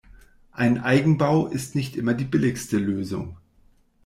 Ein Eigenbau ist nicht immer die billigste Lösung.